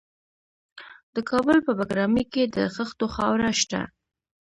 د کابل په بګرامي کې د خښتو خاوره شته.